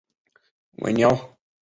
维尼奥。